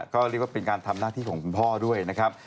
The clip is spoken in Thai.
ก็เรียกว่าเป็นการทำหน้าที่ของคุณพ่อด้วยนะครับ